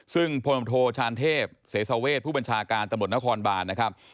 ซึ่งพลโนโทษทราลเทพเซเซเซาเวทผู้บัญชาการตำรวจนะครบานนะครับ